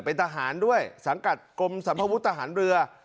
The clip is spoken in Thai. เป็นทหารด้วยสังกัดกรมสัมภวุฒิทหารเรือ